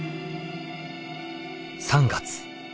３月。